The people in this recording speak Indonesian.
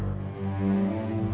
aku mau ke rumah